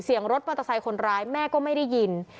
รถมอเตอร์ไซค์คนร้ายแม่ก็ไม่ได้ยิน